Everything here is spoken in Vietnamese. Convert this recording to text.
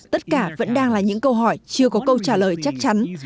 tất cả vẫn đang là những câu hỏi chưa có câu trả lời chắc chắn